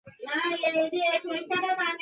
কলিকালে কাহারো ভালো করিতে নাই।